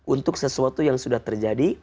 untuk sesuatu yang sudah terjadi